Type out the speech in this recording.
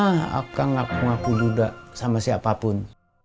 nggak pernah akang ngaku ngaku duda sama siapapun